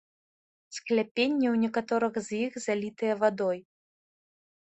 Скляпенні ў некаторых з іх залітыя вадой.